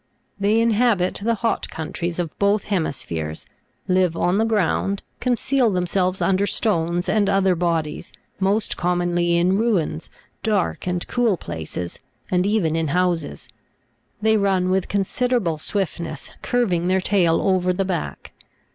They inhabit the hot countries of both hemispheres, live on the ground, conceal themselves under stones and other bodies, most commonly in ruins, dark and cool places, and even in houses. They run with considerable swiftness, curving their tail over the back.